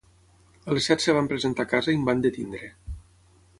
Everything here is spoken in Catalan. A les set es van presentar a casa i em van detenir.